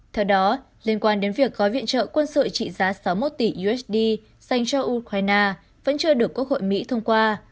theo đó liên quan đến việc gói viện trợ quân sự trị giá sáu mươi một tỷ usd dành cho ukraine vẫn chưa được quốc hội mỹ thông qua